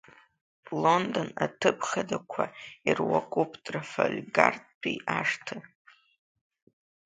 Лондон аҭыԥ хадақәа ируакуп Трафальгартәи ашҭа.